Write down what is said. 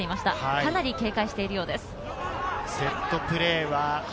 かなり警戒しているようです。